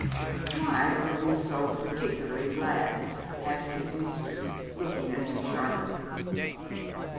'Why are you so particularly glad?' asked his mistress, looking at him sharply.